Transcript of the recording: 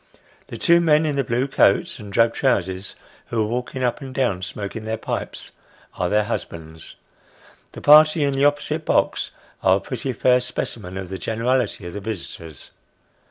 The two men in the blue coats and drab trousers, who are walking up and down, smoking their pipes, are their husbands. The party in the opposite box are a pretty fair specimen of the generality of the visitors.